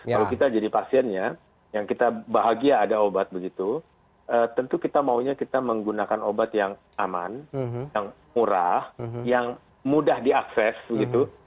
kalau kita jadi pasiennya yang kita bahagia ada obat begitu tentu kita maunya kita menggunakan obat yang aman yang murah yang mudah diakses gitu